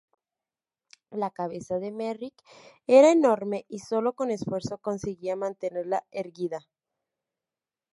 La cabeza de Merrick era enorme y solo con esfuerzo conseguía mantenerla erguida.